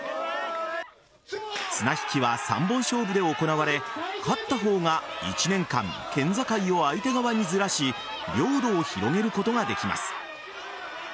綱引きは、３本勝負で行われ勝った方が１年間県境を相手側にずらし領土を広げることができます。